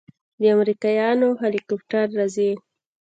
د امريکايانو هليكاپټر راځي.